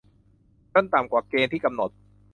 จนต่ำกว่าเกณฑ์ที่กำหนด